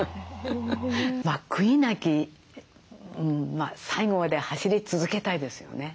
まあ悔いなき最後まで走り続けたいですよね。